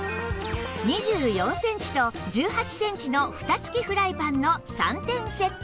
２４センチと１８センチのふた付きフライパンの３点セット